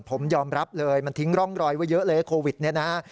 ผมยอมรับเลยมันทิ้งร่องรอยไว้เยอะเลยโควิดเนี่ยนะฮะ